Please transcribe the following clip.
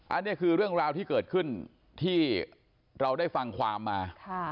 อันนี้คือเรื่องราวที่เกิดขึ้นที่เราได้ฟังความมา